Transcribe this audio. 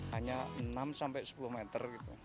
hanya enam sampai sepuluh meter